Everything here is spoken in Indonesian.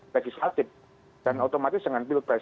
legislatif dan otomatis dengan pilpres